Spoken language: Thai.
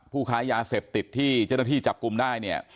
ค้ายาเสพติดที่เจ้าหน้าที่จับกลุ่มได้เนี่ย